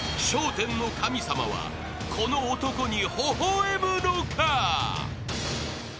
１０の神様はこの男にほほ笑むのか？］